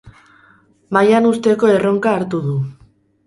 Mailan uzteko erronka hartu du.